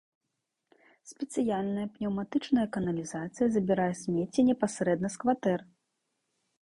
Спецыяльная пнеўматычная каналізацыя забірае смецце непасрэдна з кватэр.